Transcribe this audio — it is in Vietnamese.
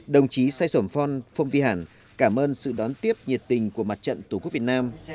đồng chí sai sổm phong vy hàn cảm ơn sự đón tiếp nhiệt tình của mặt trận tổ quốc việt nam